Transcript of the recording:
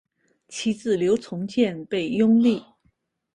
其子刘从谏被拥立。